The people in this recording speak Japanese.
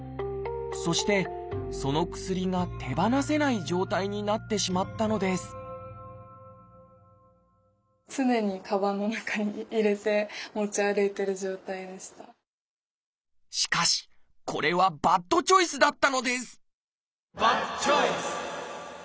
そしてその薬が手放せない状態になってしまったのですしかしこれはバッドチョイスだったのですバッドチョイス！